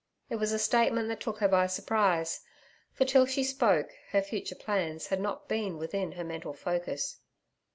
It was a statement that took her by surprise, for till she spoke, her future plans had not been within her mental focus.